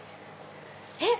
えっ